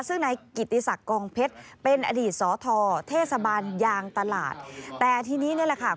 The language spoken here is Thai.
ซึ่งนายกิติศักดิ์กองเพชรเป็นอดีตสอทอเทศบาลยางตลาดแต่ทีนี้นี่แหละค่ะ